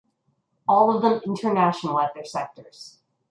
All of them international at their sectors.